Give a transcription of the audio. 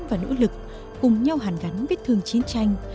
và nỗ lực cùng nhau hàn gắn vết thương chiến tranh